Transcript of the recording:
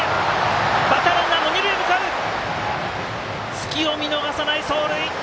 隙を見逃さない走塁！